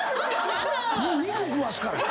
肉食わすから。